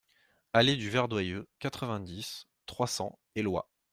Allée du Verdoyeux, quatre-vingt-dix, trois cents Éloie